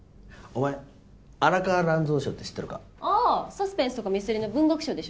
サスペンスとかミステリーの文学賞でしょ？